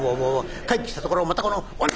帰ってきたところをまた『この女め』。